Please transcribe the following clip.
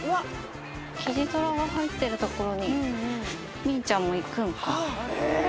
キジトラが入っている所にみーちゃんも行くのか。